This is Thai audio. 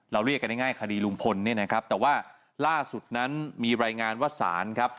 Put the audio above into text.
เรียกกันง่ายคดีลุงพลเนี่ยนะครับแต่ว่าล่าสุดนั้นมีรายงานว่าศาลครับ